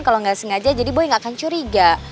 kalau enggak sengaja jadi boy enggak akan curiga